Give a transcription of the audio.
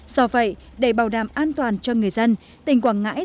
do vậy để bảo đảm an toàn cho người dân tỉnh quảng ngãi